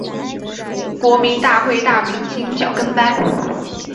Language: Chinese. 国民大会大明星小跟班